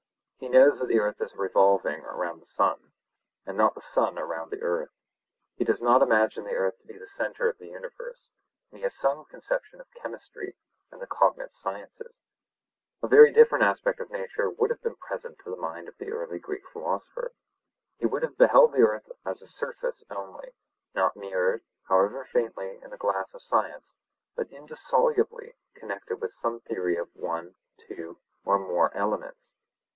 He knows that the earth is revolving round the sun, and not the sun around the earth. He does not imagine the earth to be the centre of the universe, and he has some conception of chemistry and the cognate sciences. A very different aspect of nature would have been present to the mind of the early Greek philosopher. He would have beheld the earth a surface only, not mirrored, however faintly, in the glass of science, but indissolubly connected with some theory of one, two, or more elements.